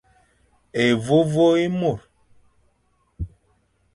Évôvô é môr.